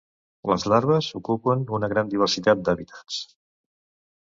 Les larves ocupen una gran diversitat d'hàbitats.